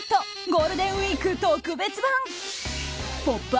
ゴールデンウィーク特別版「ポップＵＰ！」